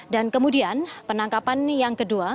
dan kemudian penangkapan yang kedua